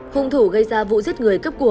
hương thủ gây ra vụ giết người cấp của